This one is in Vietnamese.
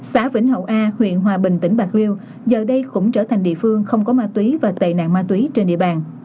xã vĩnh hậu a huyện hòa bình tỉnh bạc liêu giờ đây cũng trở thành địa phương không có ma túy và tệ nạn ma túy trên địa bàn